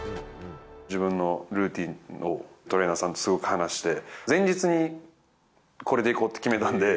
自分のルーティンをトレーナーさんとすごく話して、前日にこれでいこうって決めたんで。